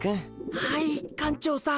はい館長さん。